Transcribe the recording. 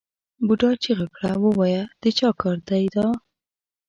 بوډا چیغه کړه ووایه د چا کار دی دا؟